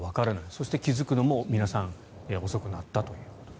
そして気付くのも皆さん遅くなったと。